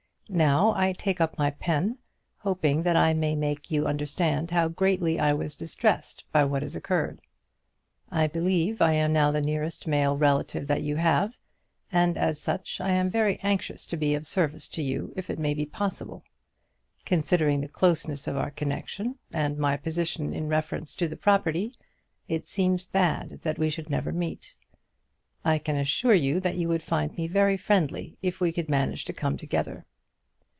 Now I take up my pen, hoping that I may make you understand how greatly I was distressed by what has occurred. I believe I am now the nearest male relative that you have, and as such I am very anxious to be of service to you if it may be possible. Considering the closeness of our connection, and my position in reference to the property, it seems bad that we should never meet. I can assure you that you would find me very friendly if we could manage to come together.